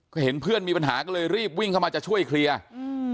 ก็เห็นเพื่อนมีปัญหาก็เลยรีบวิ่งเข้ามาจะช่วยเคลียร์อืม